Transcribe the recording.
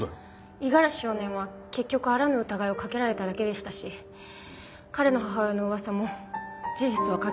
五十嵐少年は結局あらぬ疑いをかけられただけでしたし彼の母親の噂も事実とはかけ離れたものでした。